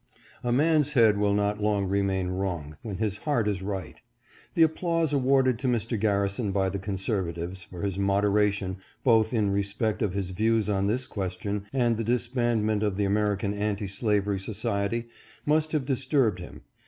A man's head will not long remain wrong, when his heart is right. The applause awarded to Mr. Garrison by the conservatives, for his moderation both in respect of his views on this question, and the disband ment of the American Anti Slavery Society must have disturbed him.